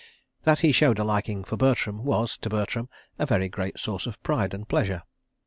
That he showed a liking for Bertram was, to Bertram, a very great source of pride and pleasure.